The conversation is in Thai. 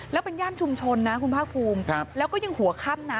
แล้วเป็นย่านชุมชนนะคุณภาคภูมิแล้วก็ยังหัวค่ำนะ